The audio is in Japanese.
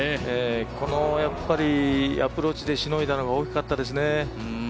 このアプローチでしのいだのが大きかったですね。